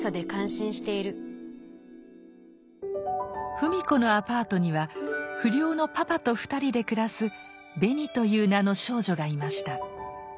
芙美子のアパートには不良のパパと２人で暮らすベニという名の少女がいました。